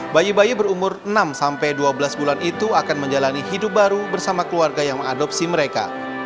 bayi bayi berumur enam sampai dua belas bulan itu akan menjalani hidup baru bersama keluarga yang mengadopsi mereka